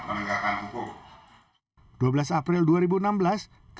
karena ini kan masalah penegakan hukum